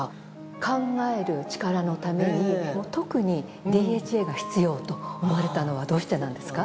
考えるチカラのために特にＤＨＡが必要と思われたのはどうしてなんですか？